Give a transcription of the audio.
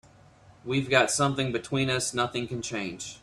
We've got something between us nothing can change.